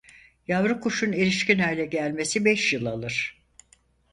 Yavru kuşun erişkin hale gelmesi beş yıl alır.